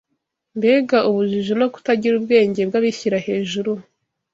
Mbega ubujiji no kutagira ubwenge bw’abishyira hejuru!